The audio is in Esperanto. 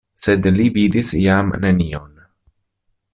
Sed li vidis jam nenion.